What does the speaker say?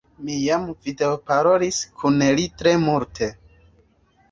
Mi jam videoparolis kun li tre multe.